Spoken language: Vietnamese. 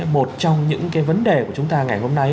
một trong những cái vấn đề của chúng ta ngày hôm nay